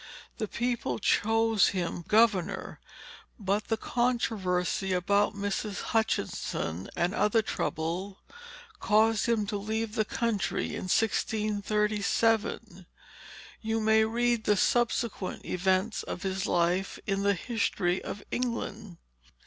The people chose him governor; but the controversy about Mrs. Hutchinson, and other troubles, caused him to leave the country in 1637. You may read the subsequent events of his life in the History of England."